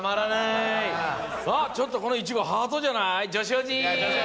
ちょっとこのイチゴハートじゃない？